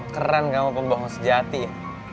keren kamu pembohong sejati ya